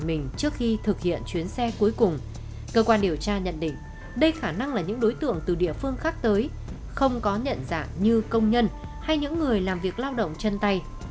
do đó hướng điều tra được tập trung vào các khu nhà trọ nhà nghỉ những quán game trên địa phương khác tới không có nhận dạng như công nhân hay những người làm việc lao động chân tay